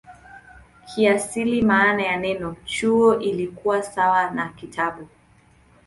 Kiasili maana ya neno "chuo" ilikuwa sawa na "kitabu".